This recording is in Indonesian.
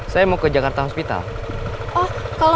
mau ke jakarta hospital bareng aku aja